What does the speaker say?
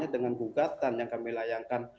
dengan gugatan yang kami layankan